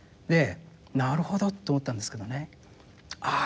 なるほどって思ったんですけどねああ